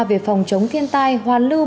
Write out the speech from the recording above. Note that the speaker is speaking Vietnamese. về phòng chống thiên tai hoàn lưu